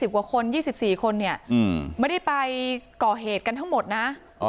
กว่าคน๒๔คนเนี่ยไม่ได้ไปก่อเหตุกันทั้งหมดนะ